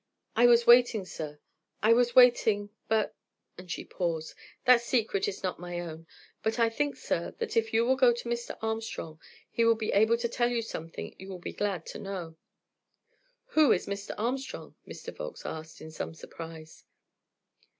"I was waiting, sir; I was waiting but " and she paused, "that secret is not my own; but I think, sir, that if you will go to Mr. Armstrong, he will be able to tell you something you will be glad to know." "Who is Mr. Armstrong?" Mr. Volkes asked, in some surprise.